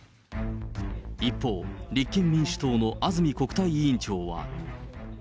一方、立憲民主党の安住国対委員長は。